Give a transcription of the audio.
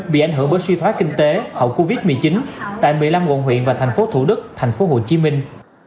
bị ảnh hưởng bởi suy thoái kinh tế hậu covid một mươi chín tại một mươi năm quận huyện và thành phố thủ đức thành phố hồ chí minh